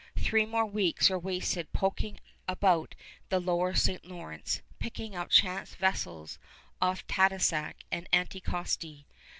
Three more weeks were wasted poking about the lower St. Lawrence, picking up chance vessels off Tadoussac and Anticosti.